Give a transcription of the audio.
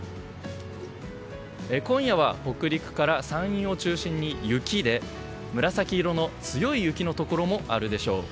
今夜は北陸から山陰を中心に雪で紫色の強い雪のところもあるでしょう。